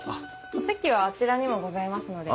お席はあちらにもございますので。